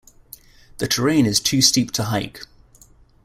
The terrain is too steep to hike.